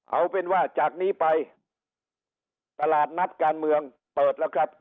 เอาเป็นว่าจากนี้ไปตลาดนัดการเมืองเปิดแล้วครับ